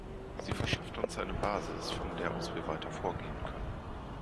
Sie verschafft uns eine Basis, von der aus wir weiter vorgehen können.